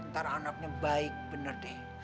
ntar anaknya baik bener deh